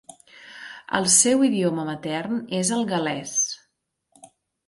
El seu idioma matern és el gal·lès.